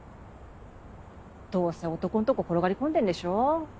どうせ男んとこ転がり込んでんでしょ？